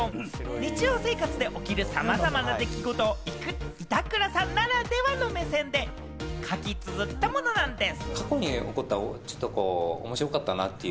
日常生活で起きるさまざまな出来事を板倉さんならではの目線で書き綴ったものなんです。